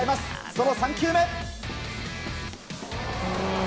その３球目。